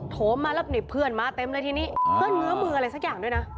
โทรมาแล้วนี่เพื่อนมาเต็มเลยทีนี้เพื่อนเงื้อมืออะไรสักอย่างด้วยนะ